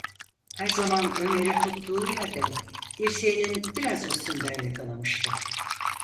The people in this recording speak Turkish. Her zaman Ömer’i tuttuğu yerden, dirseğinin biraz üstünden yakalamıştı.